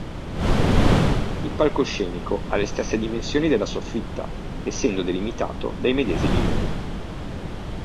Il palcoscenico ha le stesse dimensioni della soffitta essendo delimitato dai medesimi muri.